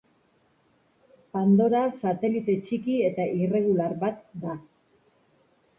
Pandora satelite txiki eta irregular bat da.